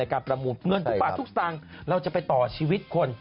ในการประมูลเพื่อนผู้ป่าทุกส่างเราจะไปต่อชีวิตคน